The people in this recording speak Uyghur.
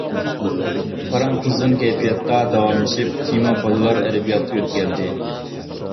پاراڭ قىزغىن كەيپىياتتا داۋاملىشىپ، تېما بالىلار ئەدەبىياتقا يۆتكەلدى.